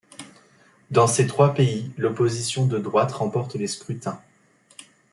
Dans ces trois pays, l'opposition de droite remporte les scrutins.